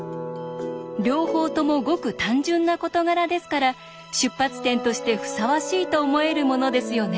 両方ともごく単純な事柄ですから出発点としてふさわしいと思えるものですよね。